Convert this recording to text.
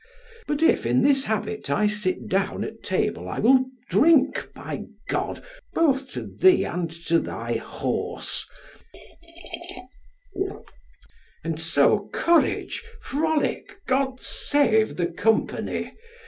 But if in this habit I sit down at table, I will drink, by G , both to thee and to thy horse, and so courage, frolic, God save the company!